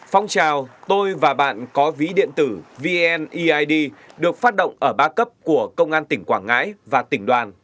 phong trào tôi và bạn có ví điện tử vneid được phát động ở ba cấp của công an tỉnh quảng ngãi và tỉnh đoàn